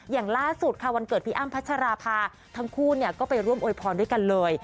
อย่างล่าสุดค่ะวันเกิดพี่อ้ำพัชราภาทั้งคู่ก็ไปร่วมโอยพรด้วยกันเลย